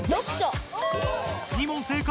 ２問正解！